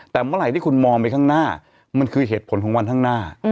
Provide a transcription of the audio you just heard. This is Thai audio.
แต่เมื่อไหร่ที่คุณมองไปข้างหน้ามันคือเหตุผลของวันข้างหน้า